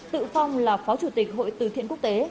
tự phong là phó chủ tịch hội từ thiện quốc tế